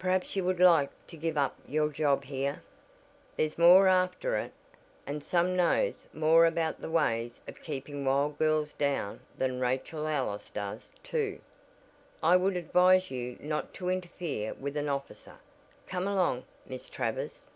Perhaps you would like to give up your job here? There's more after it, and some knows more about the ways of keeping wild girls down than Rachel Ellis does, too. I would advise you not to interfere with an officer. Come along, Miss Travers."